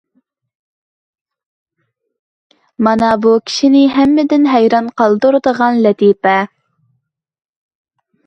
مانا بۇ كىشىنى ھەممىدىن ھەيران قالدۇرىدىغان لەتىپە.